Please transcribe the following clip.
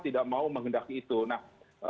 tidak mau menghendaki itu nah